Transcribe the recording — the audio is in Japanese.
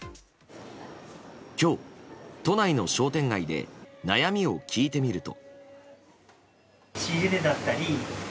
今日、都内の商店街で悩みを聞いてみると。